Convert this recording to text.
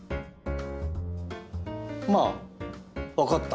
まあ分かった。